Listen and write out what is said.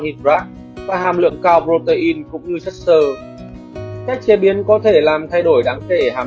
iraq và hàm lượng cao protein cũng như chất sơ cách chế biến có thể làm thay đổi đáng kể hàm